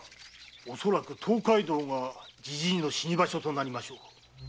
おそらく東海道がじじいの死に場所となりましょう。